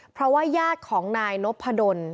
เพราะว่าญาติของนายนพดล